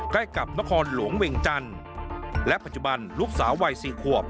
ใกล้กับนครหลวงเวงจันทร์และปัจจุบันลูกสาววัยสี่ขวบ